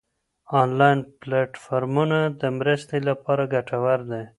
انلاین پلیټ فارمونه د مرستې لپاره ګټور دي.